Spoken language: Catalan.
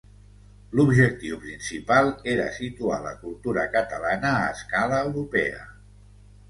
L'objectiu principal era situar la cultura catalana a escala europea.